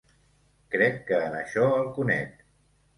Crec que en això el conec.